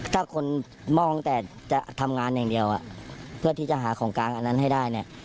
ถ้าคนมองแต่จะทำงานอย่างเดียวเพื่อที่จะหาของกลางอันนั้นให้ได้เนี่ย